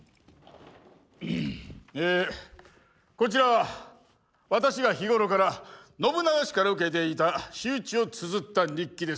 えこちらは私が日頃から信長氏から受けていた仕打ちをつづった日記です。